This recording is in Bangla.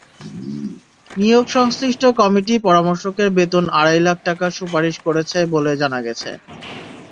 নিয়োগ-সংশ্লিষ্ট কমিটি পরামর্শকের বেতন আড়াই লাখ টাকার সুপারিশ করেছে বলে জানা গেছে।